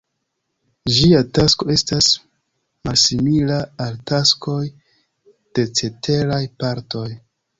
Ĝia tasko estas malsimila al taskoj de ceteraj partoj.